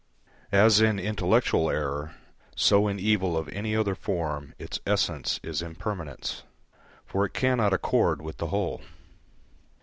As in intellectual error, so in evil of any other form, its essence is impermanence, for it cannot accord with the whole.